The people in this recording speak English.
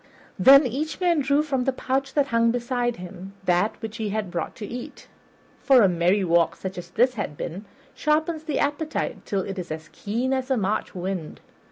Then each man drew from the pouch that hung beside him that which he had brought to eat, for a merry walk such as this had been sharpens the appetite till it is as keen as a March wind.